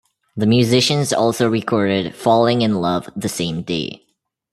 The musicians also recorded "Falling in Love" the same day.